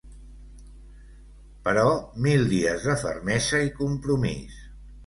Però mil dies de fermesa i compromís.